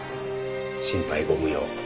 心配ご無用。